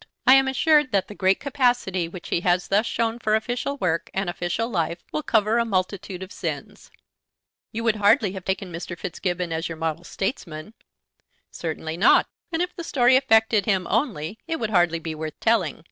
I am assured that the great capacity which he has thus shown for official work and official life will cover a multitude of sins." "You would hardly have taken Mr. Fitzgibbon as your model statesman." "Certainly not; and if the story affected him only it would hardly be worth telling.